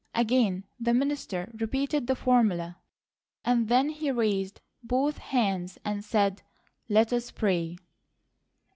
Again the minister repeated the formula, and then he raised both hands and said: "Let us pray."